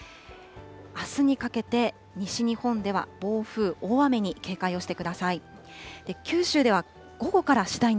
あすにかけて、西日本では暴風、大雨に警戒をしてください。